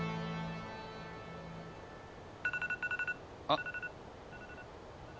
あっ。